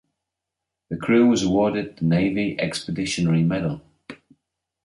The crew was awarded the Navy Expeditionary Medal.